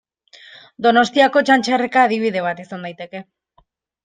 Donostiako Txantxerreka adibide bat izan daiteke.